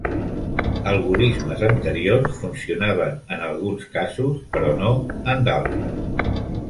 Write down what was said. Algorismes anteriors funcionaven en alguns casos, però no en d'altres.